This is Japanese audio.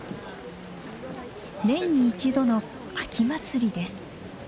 年に１度の秋祭りです。